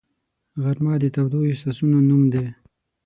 غرمه د تودو احساسونو نوم دی